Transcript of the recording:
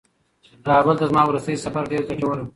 کابل ته زما وروستی سفر ډېر ګټور و.